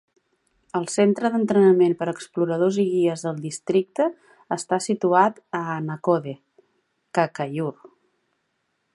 El centre d'entrenament per a exploradors i guies del districte està situat a Annakode, Kakkayur.